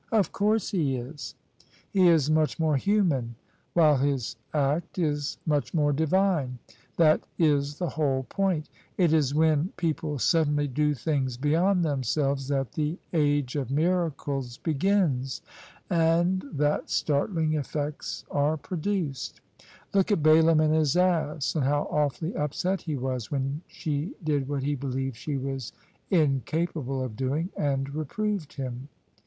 "" Of course he is : he is much more human, while his act IS much more divine. That is the whole point: it is when people suddenly do things beyond themselves that the age THE SUBJECTION of miracles begins, and that startling effects arc produced. Look at Balaam and his ass, and how awfully upset he was when she did what he believed she was incapable of doing, and reproved him.